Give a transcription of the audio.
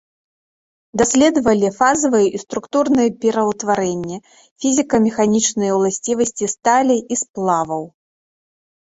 Даследавалі фазавыя і структурныя пераўтварэнні, фізіка-механічныя ўласцівасці сталі і сплаваў.